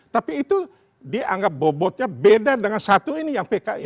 tapi itu dianggap bobotnya beda dengan satu ini yang pki